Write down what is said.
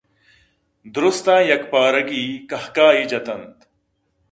دُرٛستاں یکپارگی کہکاہے جت اَنت